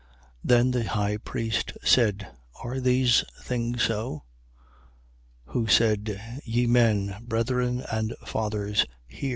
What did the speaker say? Then the high priest said: Are these things so? 7:2. Who said: Ye men, brethren and fathers, hear.